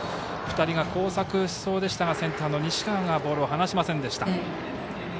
２人が交錯しそうでしたがセンターの西川がボールを離しませんでした。